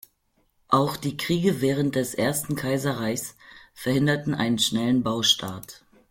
Auch die Kriege während des Ersten Kaiserreichs verhinderten einen schnellen Baustart.